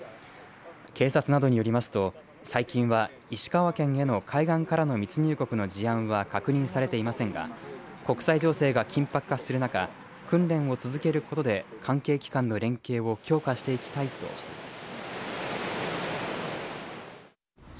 警察などによりますと最近は石川県の海岸からの密入国の事案は確認されていませんが国際情勢が緊迫化する中訓練を続けることで関係機関の連携を強化していきたいとしています。